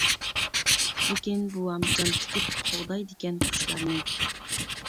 لېكىن بوۋام جان تىكىپ، قوغدايدىكەن قۇشلارنى.